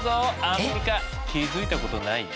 アンミカ気付いたことない？